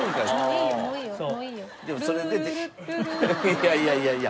いやいやいやいや。